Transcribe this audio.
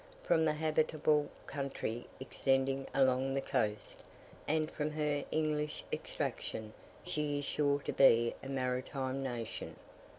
From the habitable country extending along the coast, and from her English extraction, she is sure to be a maritime nation.